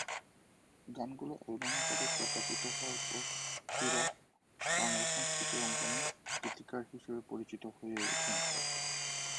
গানগুলো এলবাম আকারে প্রকাশিত হওয়ার পরে হীরা বাংলা সাংস্কৃতিক অঙ্গনে গীতিকার হিসেবে পরিচিত হয়ে ওঠেন।